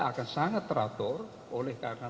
akan sangat teratur oleh karena